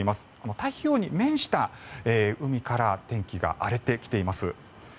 太平洋に面した海から天気が荒れてきています。